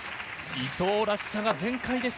伊藤らしさが全開です。